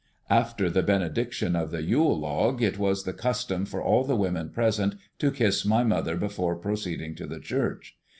After the benediction of the Yule log it was the custom for all the women present to kiss my mother before proceeding to the church.